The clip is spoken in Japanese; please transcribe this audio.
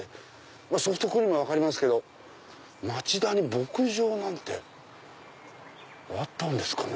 ソフトクリームは分かりますけど町田に牧場なんてあったんですかね。